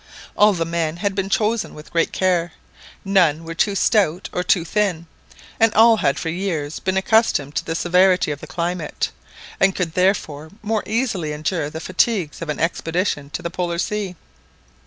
All the men had been chosen with great care; none were too stout or too thin, and all had for years been accustomed to the severity of the climate, and could therefore more easily endure the fatigues of an expedition to the Polar Sea.